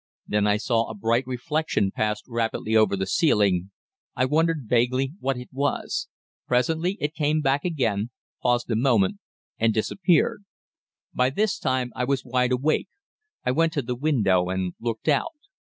Then I saw a bright reflection pass rapidly over the ceiling. I wondered vaguely what it was. Presently it came back again, paused a moment, and disappeared. By this time I was wide awake. I went to the window and looked out.